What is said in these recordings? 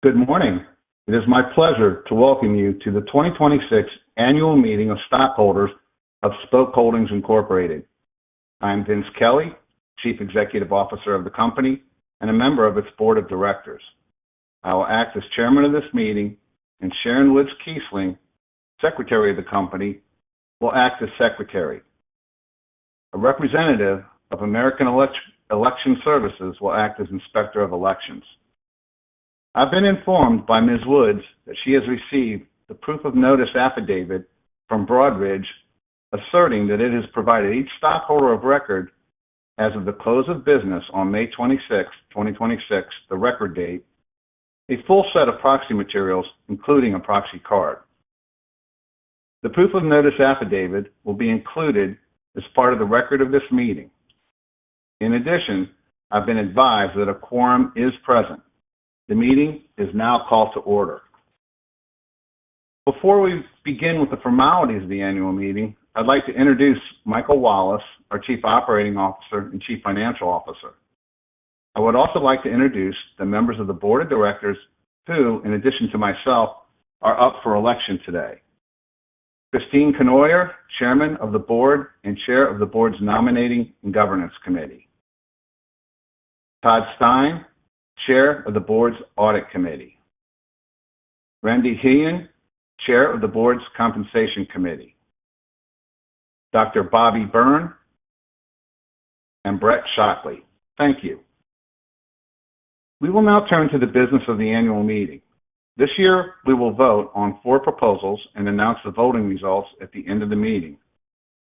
Good morning. It is my pleasure to welcome you to the 2026 annual meeting of stockholders of Spok Holdings Incorporated. I am Vince Kelly, Chief Executive Officer of the company and a member of its board of directors. I will act as chairman of this meeting, Sharon Woods Keisling, Secretary of the company, will act as secretary. A representative of American Election Services will act as Inspector of Elections. I've been informed by Ms. Woods that she has received the proof of notice affidavit from Broadridge asserting that it has provided each stockholder of record as of the close of business on May 26th, 2026, the record date, a full set of proxy materials, including a proxy card. The proof of notice affidavit will be included as part of the record of this meeting. I've been advised that a quorum is present. The meeting is now called to order. Before we begin with the formalities of the annual meeting, I'd like to introduce Michael Wallace, our Chief Operating Officer and Chief Financial Officer. I would also like to introduce the members of the board of directors who, in addition to myself, are up for election today. Christine Cournoyer, Chairman of the Board and Chair of the Board's Nominating and Governance Committee. Todd Stein, Chair of the Board's Audit Committee. Randy Hyun, Chair of the Board's Compensation Committee. Dr. Bobbie Byrne and Brett Shockley. Thank you. We will now turn to the business of the annual meeting. This year, we will vote on four proposals and announce the voting results at the end of the meeting.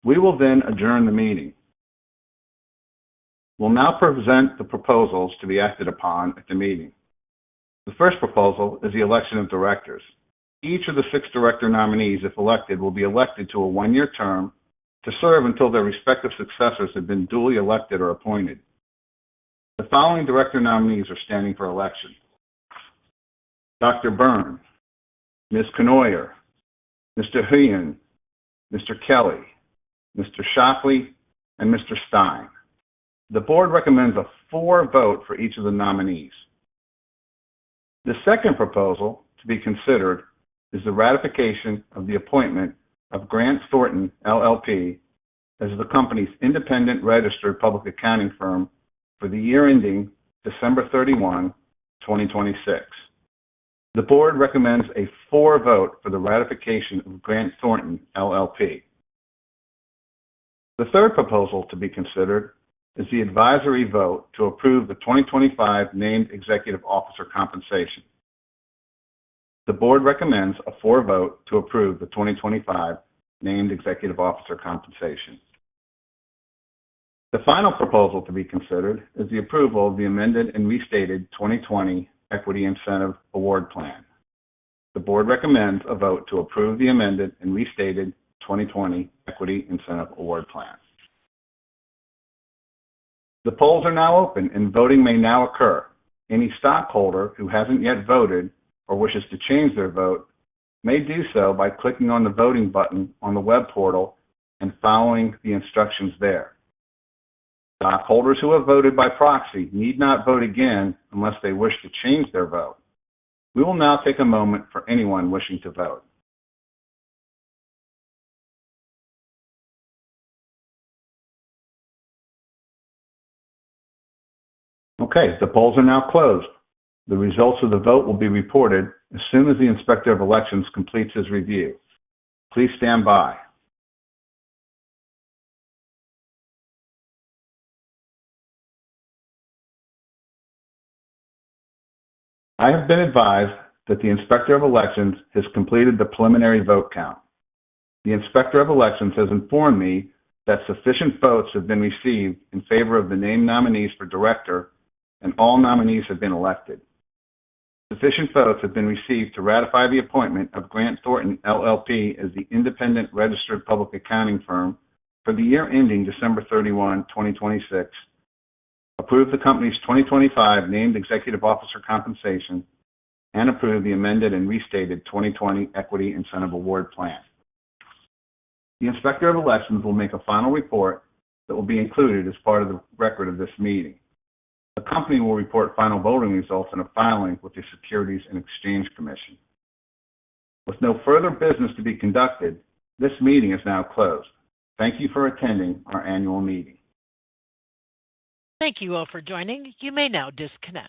We will adjourn the meeting. We'll now present the proposals to be acted upon at the meeting. The first proposal is the election of directors. Each of the six director nominees, if elected, will be elected to a one-year term to serve until their respective successors have been duly elected or appointed. The following director nominees are standing for election: Dr. Byrne, Ms. Cournoyer, Mr. Hyun, Mr. Kelly, Mr. Shockley, and Mr. Stein. The board recommends a vote for each of the nominees. The second proposal to be considered is the ratification of the appointment of Grant Thornton LLP as the company's independent registered public accounting firm for the year ending December 31, 2026. The board recommends a vote for the ratification of Grant Thornton LLP. The third proposal to be considered is the advisory vote to approve the 2025 named executive officer compensation. The board recommends a vote to approve the 2025 named executive officer compensation. The final proposal to be considered is the approval of the amended and restated 2020 Equity Incentive Award Plan. The board recommends a vote to approve the amended and restated 2020 Equity Incentive Award Plan. The polls are now open, voting may now occur. Any stockholder who hasn't yet voted or wishes to change their vote may do so by clicking on the voting button on the web portal and following the instructions there. Stockholders who have voted by proxy need not vote again unless they wish to change their vote. We will now take a moment for anyone wishing to vote. The polls are now closed. The results of the vote will be reported as soon as the Inspector of Elections completes his review. Please stand by. I have been advised that the Inspector of Elections has completed the preliminary vote count. The Inspector of Elections has informed me that sufficient votes have been received in favor of the named nominees for director, and all nominees have been elected. Sufficient votes have been received to ratify the appointment of Grant Thornton LLP as the independent registered public accounting firm for the year ending December 31, 2026, approve the company's 2025 named executive officer compensation, and approve the amended and restated 2020 Equity Incentive Award Plan. The Inspector of Elections will make a final report that will be included as part of the record of this meeting. The company will report final voting results in a filing with the Securities and Exchange Commission. With no further business to be conducted, this meeting is now closed. Thank you for attending our annual meeting. Thank you all for joining. You may now disconnect.